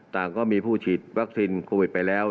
ก็มีผู้ฉีดวัคซีนโควิดไปแล้ว